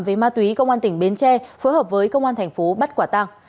về ma túy công an tỉnh bến tre phối hợp với công an thành phố bắt quả tăng